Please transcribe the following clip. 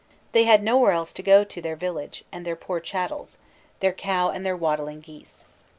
They had nowhere else to go to their village and their poor chattels, their cow and their waddling geese.